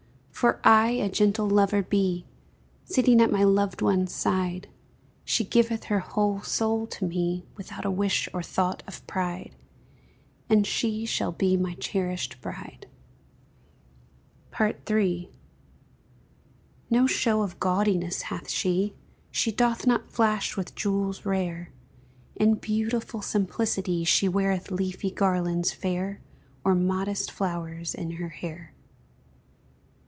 For I a gentle lover be, Sitting at my loved one's side; She giveth her whole soul to me Without a wish or thought of pride, And she shall be my cherished bride. III. No show of gaudiness hath she, She doth not flash with jewels rare; In beautiful simplicity She weareth leafy garlands fair, Or modest flowers in her hair.